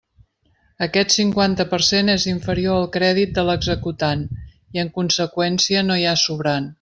Aquest cinquanta per cent és inferior al crèdit de l'executant i en conseqüència no hi ha sobrant.